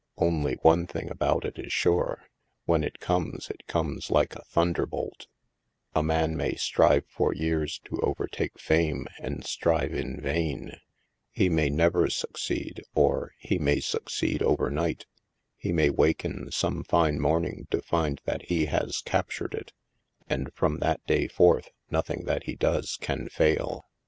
Only one thing about it is sure; when it comes, it comes like a thunderbolt. A man may strive for years to overtake Fame, and strive in vain. He may never succeed, or — he may succeed over night. He may waken some fine morning to find that he has captured it, and from that day forth, nothing that he does can fail.